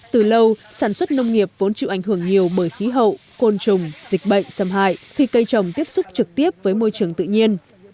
từ lâu sản xuất nông nghiệp vốn chịu ảnh hưởng nhiều bởi khí hậu côn trùng dịch bệnh xâm hại khi cây trồng tiếp xúc trực tiếp với môi trường tự nhiên